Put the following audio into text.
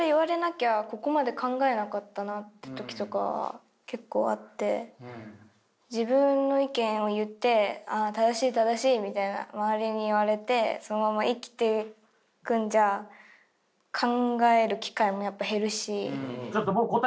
って時とかは結構あって自分の意見を言って「正しい正しい」みたいな周りに言われてそのまま生きていくんじゃ考える機会もやっぱ減るし。